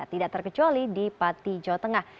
tidak terkecuali di pati jawa tengah